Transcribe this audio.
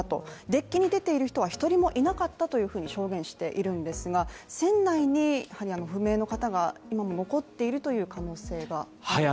デッキに出ている人は１人もいなかったというふうに証言しているんですが、船内に不明の方が今も残っているという可能性があるんでしょうか？